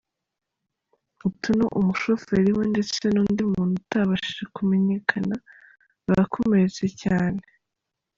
Otunnu, umushoferi we ndetse n’ undi muntu utabashije kumenyekanya, bakomeretse cyane.